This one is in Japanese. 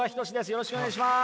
よろしくお願いします。